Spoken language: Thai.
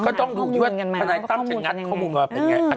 ก็ต้องดูว่าท่านไหนตั้มจะงัดข้อมูลก็เป็นอย่างไร